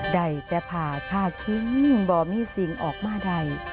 ได้แต่พาข้าคิ้งบ่อมิสิงออกมาได้